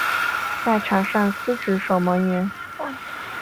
在场上司职守门员。